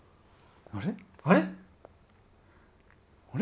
あれ？